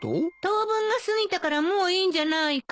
当分が過ぎたからもういいんじゃないかって。